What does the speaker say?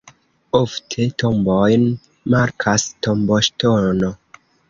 Ofte tombon markas tomboŝtono.